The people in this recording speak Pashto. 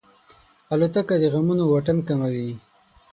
الوتکه د غمونو واټن کموي.